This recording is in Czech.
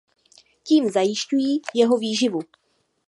Tím zajišťují jeho výživu.